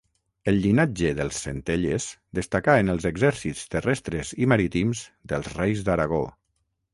El llinatge dels Centelles destacà en els exèrcits terrestres i marítims dels reis d'Aragó.